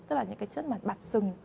tức là những cái chất mà bạt sừng